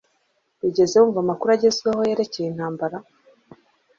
Wigeze wumva amakuru agezweho yerekeye intambara?